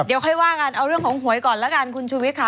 เดี๋ยวค่อยว่ากันเอาเรื่องของหวยก่อนแล้วกันคุณชูวิทย์ค่ะ